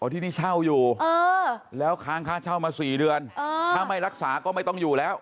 ที่นี่เช่าอยู่แล้วค้างค่าเช่ามา๔เดือนถ้าไม่รักษาก็ไม่ต้องอยู่แล้ว